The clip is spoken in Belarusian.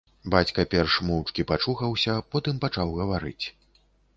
Бацька перш моўчкі пачухаўся, потым пачаў гаварыць.